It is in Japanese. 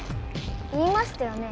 言いましたよね。